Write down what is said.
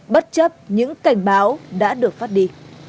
bất chấp những cảnh báo đã được phát đi